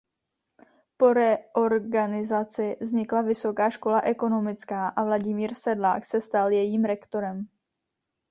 Po reorganizaci vznikla Vysoká škola ekonomická a Vladimír Sedlák se stal jejím rektorem.